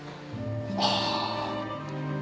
ああ！